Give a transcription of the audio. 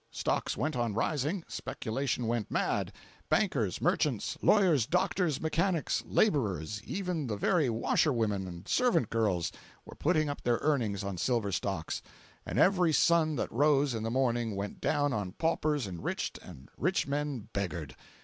Stocks went on rising; speculation went mad; bankers, merchants, lawyers, doctors, mechanics, laborers, even the very washerwomen and servant girls, were putting up their earnings on silver stocks, and every sun that rose in the morning went down on paupers enriched and rich men beggared.